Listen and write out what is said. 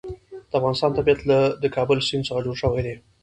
د افغانستان طبیعت له د کابل سیند څخه جوړ شوی دی.